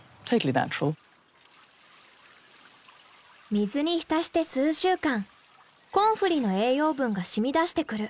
水に浸して数週間コンフリーの栄養分が染み出してくる。